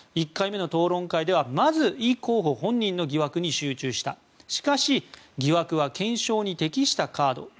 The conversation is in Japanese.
１回目の討論会ではまずイ候補本人の疑惑に集中したしかし、疑惑は検証に適したカード。